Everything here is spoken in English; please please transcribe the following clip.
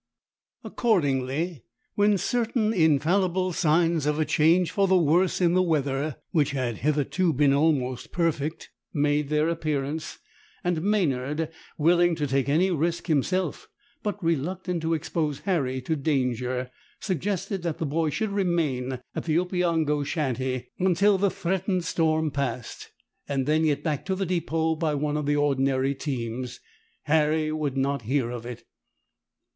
Accordingly, when certain infallible signs of a change for the worse in the weather, which had hitherto been almost perfect, made their appearance, and Maynard, willing to take any risk himself, but reluctant to expose Harry to danger, suggested that the boy should remain at the Opeongo shanty until the threatened storm passed, and then get back to the depot by one of the ordinary teams, Harry would not hear of it.